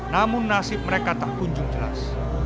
namun nasib mereka tak kunjung jelas